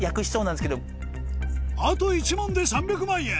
あと１問で３００万円